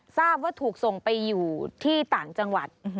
ทราบว่าถูกส่งไปอยู่ที่ต่างจังหวัด